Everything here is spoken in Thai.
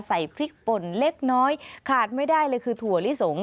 ใส่พริกป่นเล็กน้อยขาดไม่ได้เลยคือถั่วลิสง